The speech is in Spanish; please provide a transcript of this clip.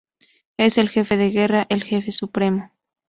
Es el jefe de guerra, el jefe supremo.